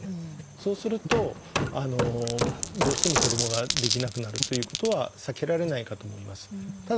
そうするとどうしても子どもが出来なくなるということは避けられないかと思います。